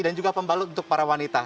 dan juga pembalut untuk para wanita